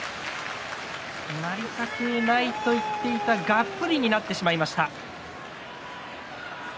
なりたくないと言っていたがっぷりになってしまいました。